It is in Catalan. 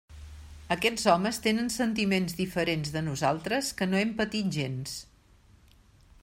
Aquests homes tenen sentiments diferents de nosaltres que no hem patit gens.